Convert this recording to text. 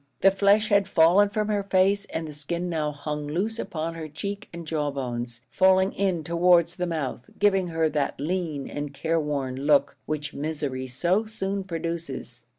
The flesh had fallen from her face, and the skin now hung loose upon her cheek and jaw bones, falling in towards the mouth, giving her that lean and care worn look which misery so soon produces.